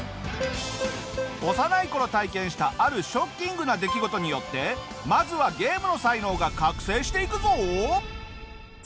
幼い頃体験したあるショッキングな出来事によってまずはゲームの才能が覚醒していくぞ！